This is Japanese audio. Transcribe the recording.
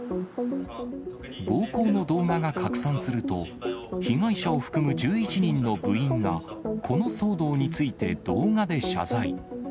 暴行の動画が拡散すると、被害者を含む１１人の部員が、この騒動について動画で謝罪。